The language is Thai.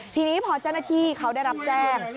ทีนี้พอเจ้าหน้าที่เขาได้รับแจ้ง